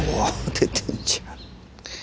出てんじゃん。